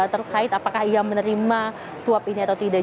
terkait apakah ia menerima suap ini atau tidak